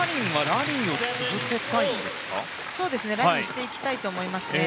ラリーしていきたいと思いますね。